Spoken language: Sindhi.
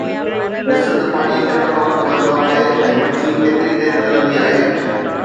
ڏس ته پاڻي ڪيترو وقت وهندو آهي ۽ مڇي ڪيتري دير ترندي آهي.